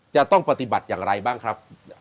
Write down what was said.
จะต้องปฏิบัติอย่างไรบ้างครับ